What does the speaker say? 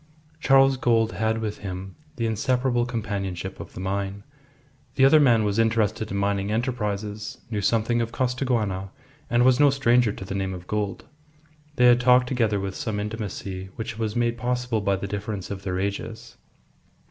Charles Gould had with him the inseparable companionship of the mine. The other man was interested in mining enterprises, knew something of Costaguana, and was no stranger to the name of Gould. They had talked together with some intimacy which was made possible by the difference of their ages.